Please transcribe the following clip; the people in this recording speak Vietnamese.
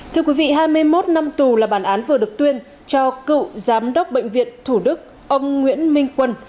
thưa quý vị hai mươi một năm tù là bản án vừa được tuyên cho cựu giám đốc bệnh viện thủ đức ông nguyễn minh quân